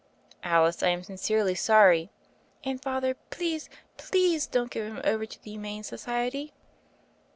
"Alice, I am sincerely sorry." "And, Father, please, please don't give him over to the Humane Society."